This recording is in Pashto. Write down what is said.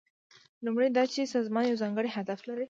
لومړی دا چې سازمان یو ځانګړی هدف لري.